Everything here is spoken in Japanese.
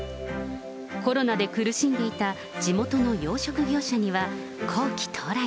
コロナで苦しんでいた地元の養殖業者には、好機到来。